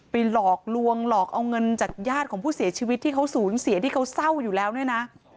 หลอกลวงหลอกเอาเงินจากญาติของผู้เสียชีวิตที่เขาสูญเสียที่เขาเศร้าอยู่แล้วเนี่ยนะ